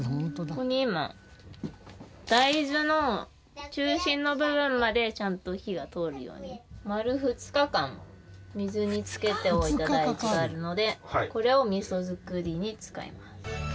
ここに今大豆の中心の部分までちゃんと火が通るように丸２日間水に漬けておいた大豆があるのでこれを味噌作りに使います。